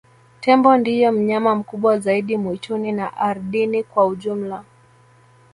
tembo ndiye mnyama mkubwa zaidi mwituni na ardini kwa ujumla